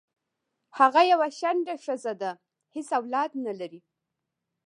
هغه یوه شنډه خځه ده حیڅ اولاد نه لری